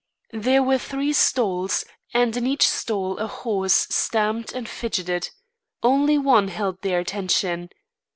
There were three stalls, and in each stall a horse stamped and fidgeted. Only one held their attention.